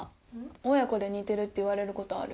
親子で似てるって言われることある？